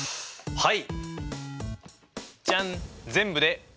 はい。